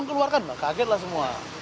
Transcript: kan kagetlah semua